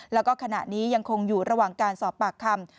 แล้วก็ขณะนี้ยังคงอยู่ระหว่างการสอบปากคำ